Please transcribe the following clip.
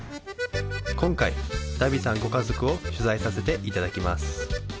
今回ダビさんご家族を取材させていただきます